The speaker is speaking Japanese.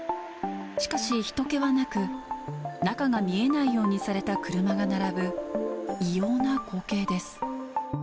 しかし、ひと気はなく、中が見えないようにされた車が並ぶ異様な光景です。